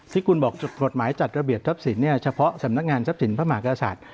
ที่คุณบอกกฎหมายจัดระเบียดทัศนนี้เฉพาะสำนักงานทัศนภามากษัศ